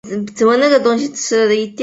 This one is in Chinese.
也是现任加拉加斯总教区总主教。